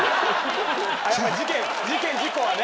事件事故はね。